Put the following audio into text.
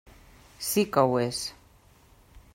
Sí que ho és.